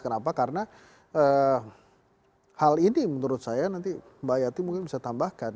kenapa karena hal ini menurut saya nanti mbak yati mungkin bisa tambahkan